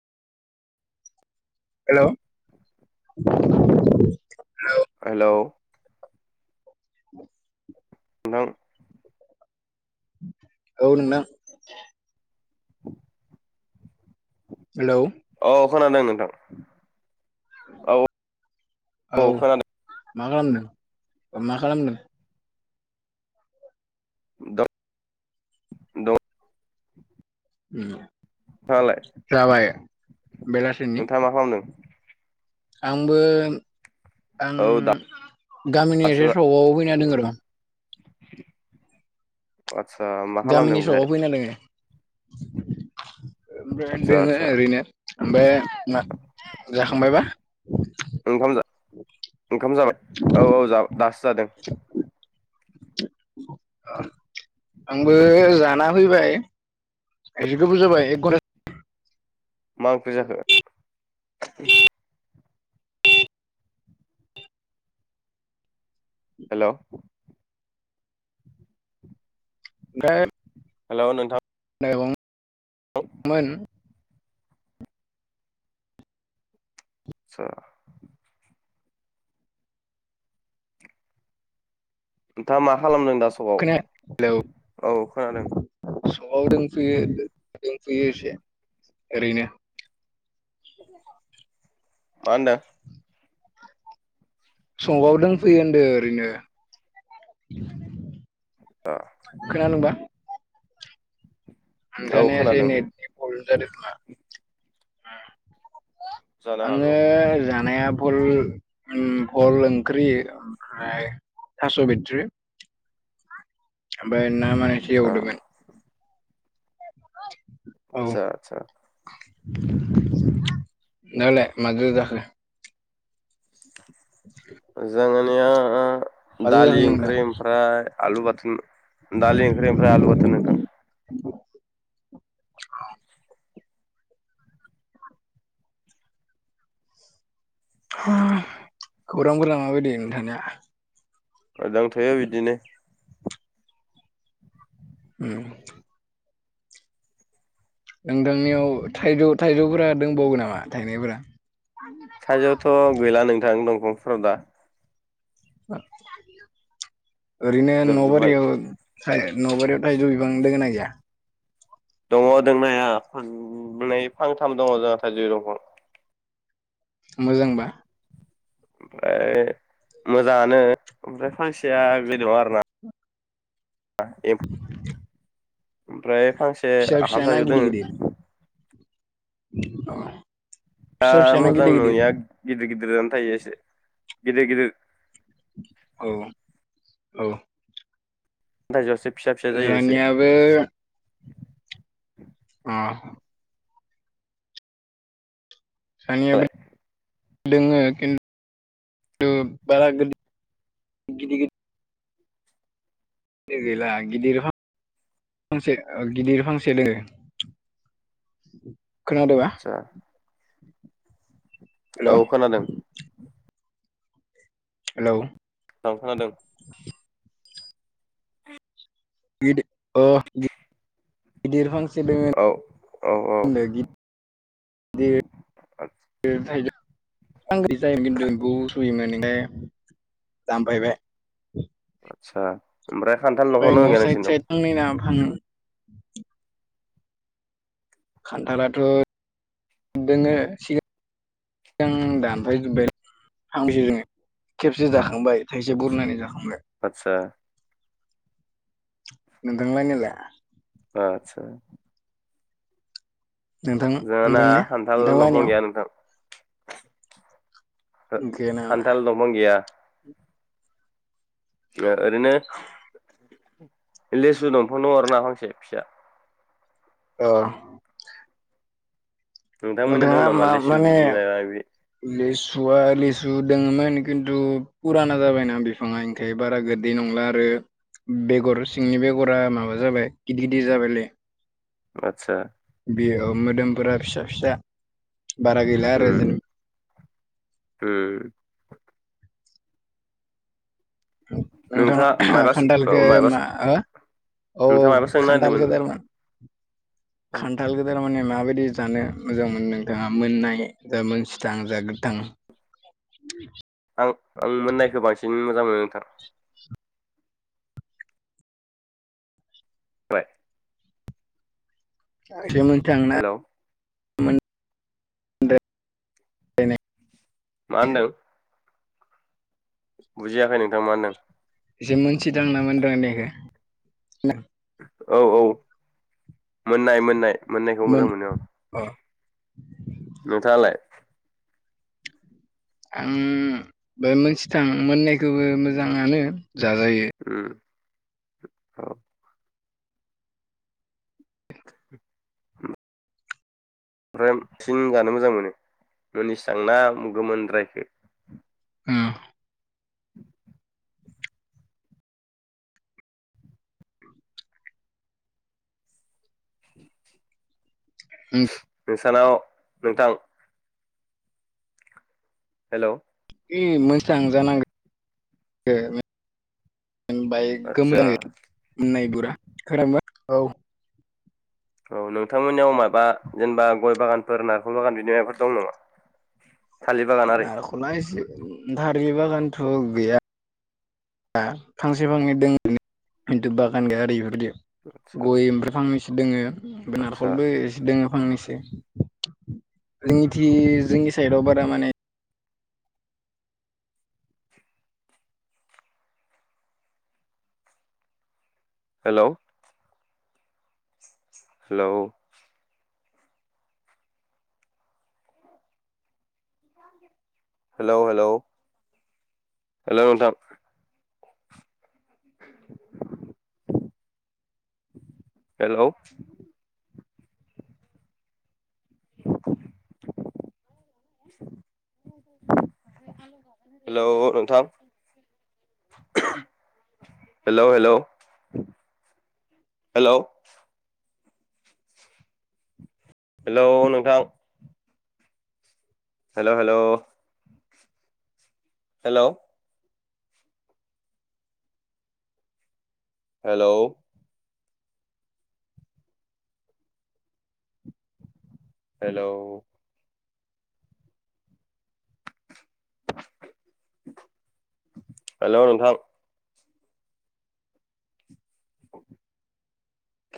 हेल' [inaudible] हेल' [inaudible] नोंथां औ नोंथां हेलौ औ खोनादों नोंथां औ [inaudible] औ खोनादों मा खालामदों? मा खालामदों? दं [inaudible] दं नोंथाङालाय [inaudible] जाबाय? बेलासिनि नोंथाङा मा खालामदों आंबो आं औ गामिनि एसे सकआव फैना दङ र [inaudible] आ गामिनि सकआव फैना दोङो [inaudible] ओमफ्राय आदसा दोङो आदसा ओरैनो ओमफ्राय मा जाखांबायबा? ओंखाम जा ओंखाम जाबाय औ औ जा दासो जादों [unintelligible] आंबो जाना फैबाय। एसे गोबाव जाबाय एक [unintelligible] मा ओंख्रि जाखो? हेल' [unintelligible] हेल' नोंथां मेगं [unintelligible] [unintelligible] नोंथाङा मा खालामदों? दा सगाव [unintelligible] हेलौ औ खोनादों सकआव दोंफैयो दोंफैयो इसे ओरैनो [unintelligible] मा होनदों? संगआव‌ दोंफैयो होनदो ओरैनो खोनादोंबा? औ आंगानिया [unintelligible] एसे खोनादों प्रब्लेम जादों खोमा? जानो आङो हागौ जानाया फल उम भल ओंख्रि ओमफ्राय थास' बिथरि आमफ्राय ना माखासे एवदोंमोन। [unintelligible] आदसा आदसा। नोलाय माजों जाखो? जोंनिया माजो जाखो दालि नोंथां ओंख्रि ओमफ्राय आलु बाथोन दालि ओंख्रि ओमफ्राय आलु बाथोन नोथां। आ [unintelligible] खौराफोरा माबायदि नोंथांनिया? मोजां थयो बिदिनो। उम। नोंथांनियाव थाइजौ-थाइजौफोरा दोंबावो नामा थाइनायफोरा? थाइजौथ' गैला नोंथां दंफांफोराव दा। [inaudible] ओरैनो जोबजोब्बाय नबारियाव थाइ नबारियाव थाइजौ बिफां दङो ना गैया? दङ दोंनाया फांनै फांथाम दङ जोंहा थाइजौ दंफां। मोजांबा? ओमफ्राय मोजाङानो ओमफ्राय फांसेया बे दङा आरोना। ओमफ्राय फांसे फिसा फिसा आखाम थाइजौ दोङो। औ [unintelligible] दा मोजां नयाआ गिदिर गिदिर आनो थायो एसे गिदिर गिदिर औ औ। थाइजौआसो फिसा फिसा जायो एसे। जोंहानियाबो उम। नालाय जानियाबो दोङो खिन्थु बारा गोदिर गिदिर गिदिर गैला गिदिर फां से ओ गिदिर फांसे दोङो। खोनादोबा? आदसा औ खोनादों। हेलौ औखोनादों। गिदि अ गिदिर फां [unintelligible] फांसे औ औ औ दोङो गिदिर थाइजौ [unintelligible] जायोमोन [unintelligible] खिदु एम्फौ सुयोमोन ओंखाय दामफायबाय। आदसा ओमफ्राय खान्थाल दंफां दंना गैया नोंसिनाव? हम। खान्थालाथ' दङो सिगां गां दानफाय जोब्बाय फानैसो जोङो खेबसे जाखां बाय थाइसे आदसा बुरनानै जाखांबाय। आदसा नोंथां लानियालाय? आतसा। नोंथां जोंङा ना नोंथांनिया खान्थाल दंफां नोंथांलानियाव गैया नोंथां। गैया नामा खान्थाल दंफां गैया। ओरैनो लिसु दंफांन दंआरो ना फांसे फिसा। अ। नोंथांमोननिया दा दं नामा मा लेसु माने बिदि माबा माबि लेसुवा लेसु सु दोङोमोन खिन्थु फुराना जाबायना बिफाङा ओंखायनो बारा गोदै नंला आरो बेगर सिंनि बेगरा माबा जाबाय गिदिर गिदिर जाबायलै। आतसा। बेयाव मोदोमफोरा फिसा फिसा बारा गैला आरो उम जेन उम। नोंथां नोंथाङा माबा खान्दालखो औ माबा मा हो औ नोंथाङा माबा सोंनो खान्थाल नागिरदोंमोन [unintelligible] खान्थाल गेदेर तारमाने माबायदि जानो मोजां मोनो नोंथाङा मोननाय जा मोसिथां जा गोथां? [inaudible] आं आं मोननायखो बांसिन मोजां मोनो‌ नोंथां। [unintelligible] [unintelligible] हेलौ? [unintelligible] मोनद्रायनाय [unintelligible] मा होन्दों? बुजियाखै नोंथां मा होनदों? एसे मोनसिथां ना मोनद्रायनायखौ? औ औ मोननाय मोननाय। मोननायखौ मोन मोजां मोनो औ अ नोंथाङालाय? आं बे मोनसिथां मोननायखोबो मोजाङानो। जाजायो उम औ। [inaudible] ओमफ्राय बांसिन जानो मोजां मोनो मोनसिथां ना‌ गोमोनद्रायखो? उम। [unintelligible] नोंसानाव नोंथां हेलौ? एसे [unintelligible] जानांगो आदसा [unintelligible] औ नोंथांमोननियाव माबा जेनेबा गय बागानफोर नारेखल बागान बिदि माबाफोर दं नामा? [inaudible] आरि नारिखला‌ इसे बारि बागानथ' गैया फांसे फांनै दों खिन्थु बागान गैया ओरै इफोरबायदि। आदसा गय ओमफ्राय फांनैसो दङो ओमफ्राय आदसा नारिखलबो एसे दङ फांनैसो। जोंनिथि जोंनि साइदआव बारा माने hello? Hello? Hello hello? Hello नोंथां? हेलौ? [inaudible] हेलौ नोंथां? Hello hello? हेलौ? हेलौ नोंथां? Hello hello hello? Hello? Hello? Hello नोंथां? [inaudible]